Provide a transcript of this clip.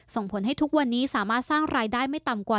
ส่งผลให้ทุกวันนี้สามารถสร้างรายได้ไม่ต่ำกว่า